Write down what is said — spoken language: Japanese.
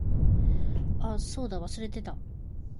あ、そうだった。忘れてた。